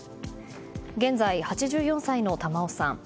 現在８４歳の玉緒さん。